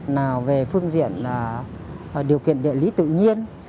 nào về phương diện điều kiện địa lý tự nhiên